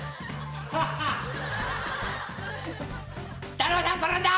だるまさん転んだ！